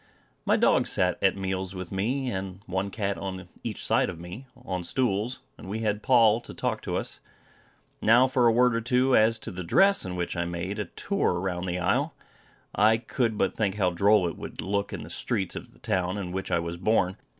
My dog sat at meals with me, and one cat on each side of me, on stools, and we had Poll to talk to us. Now for a word or two as to the dress in which I made a tour round the isle. I could but think how droll it would look in the streets of the town in which I was born.